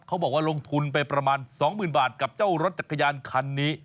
เขาบอกว่าลงทุนไปประมาณ๒๐๐๐บาทกับเจ้ารถจักรยานคันนี้